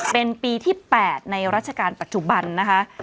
เป็นปีที่๘ในราชการปัจจุบันนะคะ